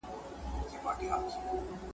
د فرعون په سر کي تل یوه سودا وه !.